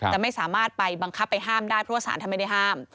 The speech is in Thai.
แต่ไม่สามารถไปบังคับไปห้ามได้เพราะว่าสารท่านไม่ได้ห้าม